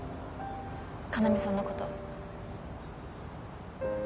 要さんのこと。